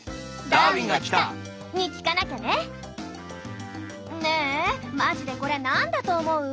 「ダーウィンが来た！」。に聞かなきゃね！ねえマジでこれ何だと思う？